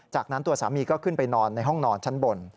จากนั้นตัวสามีก็ขึ้นไปนอนในห้องนอนชั้นบน